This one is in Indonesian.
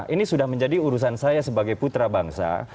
ini sudah menjadi urusan saya sebagai putra bangsa